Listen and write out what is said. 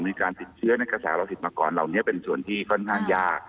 มีการติดเชื้อในกระแสโลหิตมาก่อนเหล่านี้เป็นส่วนที่ค่อนข้างยาก